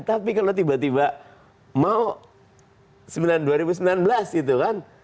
tapi kalau tiba tiba mau dua ribu sembilan belas gitu kan